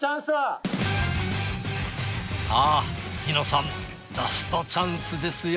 さあ梨乃さんラストチャンスですよ。